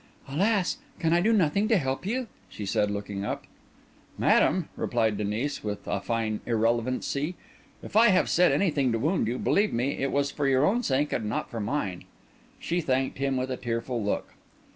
"Alas, can I do nothing to help you?" she said, looking up. "Madam," replied Denis, with a fine irrelevancy, "if I have said anything to wound you, believe me, it was for your own sake and not for mine." She thanked him with a tearful look.